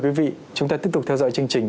quý vị chúng ta tiếp tục theo dõi chương trình